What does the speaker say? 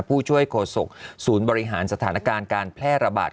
ผู้ช่วยโฆษกศูนย์บริหารสถานการณ์การแพร่ระบาด